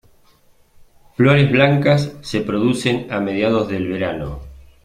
Flores blancas se producen a mediados del verano.